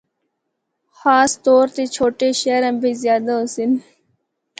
خاص طور تے چھوٹے شہراں بچ زیادہ ہوسن۔